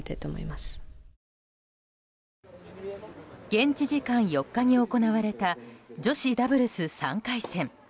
現地時間４日に行われた女子ダブルス３回戦。